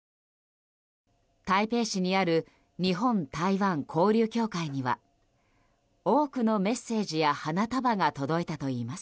台北市にある日本台湾交流協会には多くのメッセージや花束が届いたといいます。